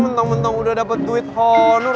menteng menteng udah dapet duit honor